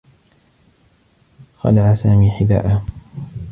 خلع سامي حذاءه.